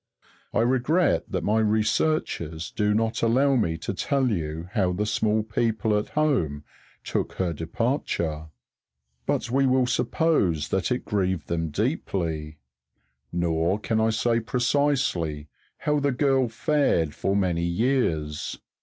I regret that my researches do not allow me to tell you how the Small People at home took her departure; but we will suppose that it grieved them deeply. Nor can I say precisely how the girl fared for many years.